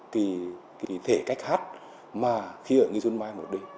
cái thể cách khác mà khi ở nghi xuân mai mà được đi